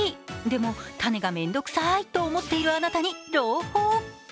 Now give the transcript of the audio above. でも種が面倒くさいと思っているあなたに朗報。